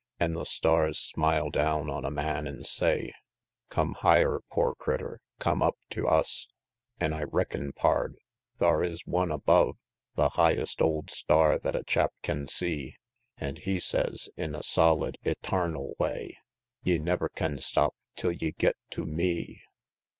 An' the stars smile down on a man, an say, "Come higher, poor critter, come up tew us!" XII. An' I reckin', pard, thar is One above The highest old star that a chap can see, An' He says, in a solid, etarnal way, "Ye never can stop till ye get to ME!"